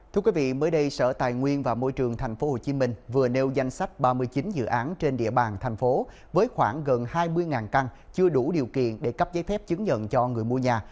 thưa quý vị mới đây sở tài nguyên và môi trường tp hcm vừa nêu danh sách ba mươi chín dự án trên địa bàn thành phố với khoảng gần hai mươi căn chưa đủ điều kiện để cấp giấy phép chứng nhận cho người mua nhà